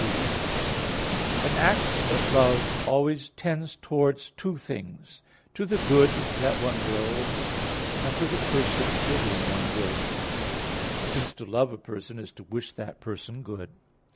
3: An act of love always tends towards two things; to the good that one wills, and to the person for whom one wills it: since to love a person is to wish that person good.